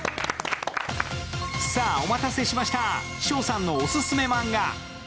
お待たせしました、翔さんのオススメマンガ。